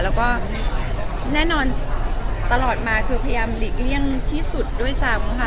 แล้วก็แน่นอนตลอดมาคือพยายามหลีกเลี่ยงที่สุดด้วยซ้ำค่ะ